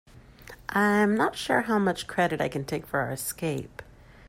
I'm not sure how much credit I can take for our escape.